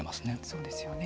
そうですよね。